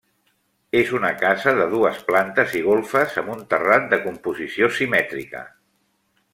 És una casa de dues plantes i golfes, amb un terrat de composició simètrica.